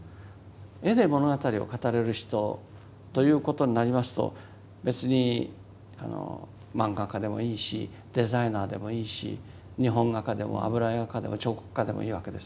絵で物語を語れる人ということになりますと別に漫画家でもいいしデザイナーでもいいし日本画家でも油絵画家でも彫刻家でもいいわけです。